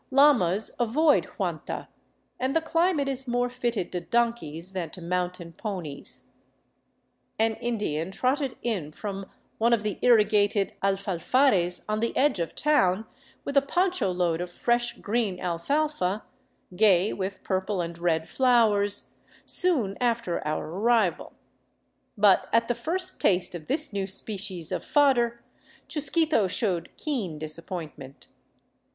Llamas avoid Huanta, and the climate is more fitted to donkeys than to mountain ponies. An Indian trotted in from one of the irrigated alfalfares on the edge of town with a poncho load of fresh, green alfalfa, gay with purple and red flowers, soon after our arrival. But at the first taste of this new species of fodder Chusquito showed keen disappointment.